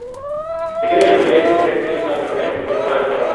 বিকেলে বেদুরিয়া স্কুল মাঠে পীরেন লাল স্মরণে ফুটবল খেলার আয়োজন করা হয়।